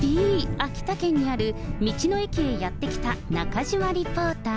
秋田県にある道の駅へやって来た中島リポーター。